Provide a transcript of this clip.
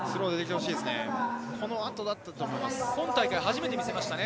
今大会初めて見せましたね。